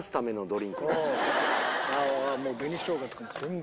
紅しょうがとかも全部。